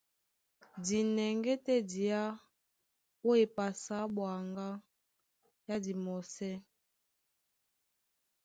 Di nɛŋgɛ́ tɛ́ diá ó epasi á ɓwaŋgá yá dimɔsɛ́.